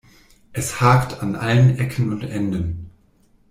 Es hakt an allen Ecken und Enden.